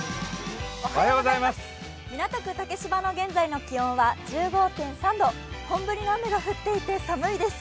港区竹芝の現在の気温は１５．３度、本降りの雨が降っていて寒いです。